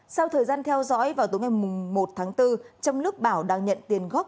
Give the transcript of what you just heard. sau thời gian theo dõi vào tối ngày một tháng bốn trong lúc bảo đang nhận tiền góp